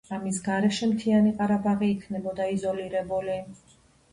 ამის გარეშე მთიანი ყარაბაღი იქნებოდა იზოლირებული.